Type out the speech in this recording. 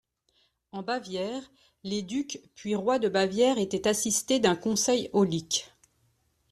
En Bavière, les ducs puis rois de Bavière étaient assistés d'un Conseil aulique.